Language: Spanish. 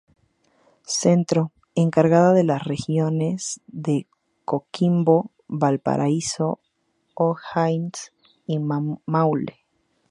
Centro: encargada de las regiones de Coquimbo, Valparaíso, O'Higgins y Maule.